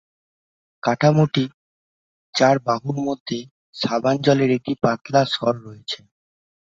কাঠামোটি চার বাহুর মাঝে সাবান-জলের একটি পাতলা সর রয়েছে।